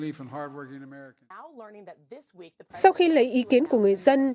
sau khi lấy ý kiến của người dân